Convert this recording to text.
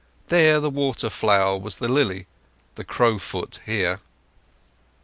There the water flower was the lily; the crow foot here.